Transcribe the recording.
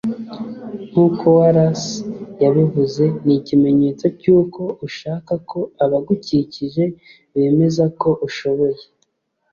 nk'uko Wallace yabivuze ni ikimenyetso cy’uko ushaka ko abagukikije bemeza ko ushoboye